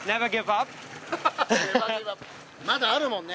まだあるもんね。